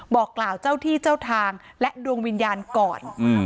บอกกล่าวเจ้าที่เจ้าทางและดวงวิญญาณก่อน